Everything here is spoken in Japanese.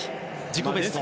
自己ベスト。